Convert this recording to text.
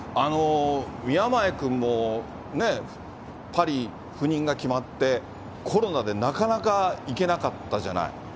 宮前君も、パリ赴任が決まって、コロナでなかなか行けなかったじゃない。